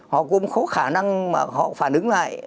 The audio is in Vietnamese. họ cũng có khả năng mà họ phản ứng lại